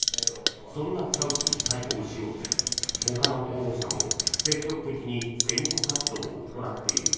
そんなチャウ氏に対抗しようとほかの候補者も積極的に選挙活動を行っている。